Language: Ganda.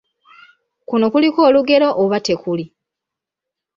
Kuno kuliko olugero oba tekuli?